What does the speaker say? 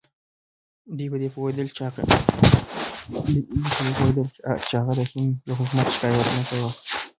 دوی په دې پوهېدل چې هغه د هند له حکومت شکایت نه کاوه.